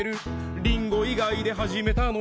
リンゴ以外で始めたのに。